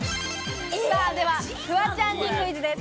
では、フワちゃんねクイズです。